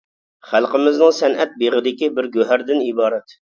خەلقىمىزنىڭ سەنئەت بېغىدىكى بىر گۆھەردىن ئىبارەت.